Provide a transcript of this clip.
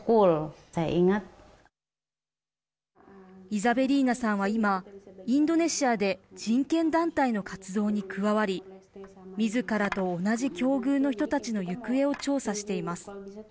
イザベリーナさんは今インドネシアで人権団体の活動に加わりみずからと同じ境遇の人たちの行方を調査しています。